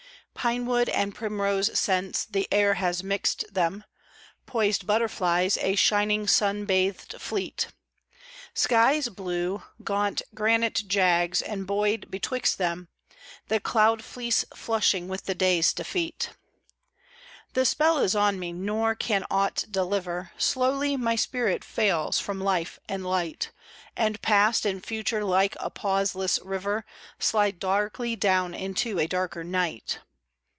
Pinewood and primrose scents, the air has mixt them; Poised butterflies, a shining sun bathed fleet, Sky's blue, gaunt granite jags, and buoyed betwixt them, The cloud fleece flushing with the day's defeat. The spell is on me, nor can aught deliver; Slowly my spirit fails from life and light, And Past and Future like a pauseless river, Slide darkly down into a darker night.